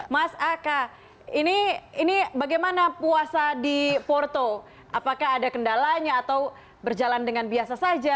mas aka ini bagaimana puasa di porto apakah ada kendalanya atau berjalan dengan biasa saja